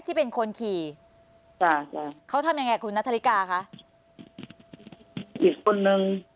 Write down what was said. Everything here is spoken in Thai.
ที่เป็นคนขี่จ้ะจ้ะเขาทำยังไงคุณนัทริกาคะอีกคนนึง